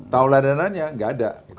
tahulah dananya nggak ada